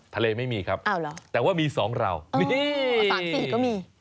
ทะเลไม่มีครับแต่ว่ามีสองราวนี่อาสาทศิษย์ก็มี